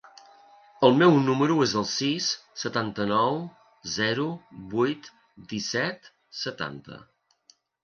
El meu número es el sis, setanta-nou, zero, vuit, disset, setanta.